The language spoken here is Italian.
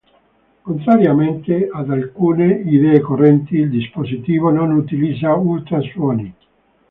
Contrariamente ad alcune idee correnti, il dispositivo non utilizza ultrasuoni.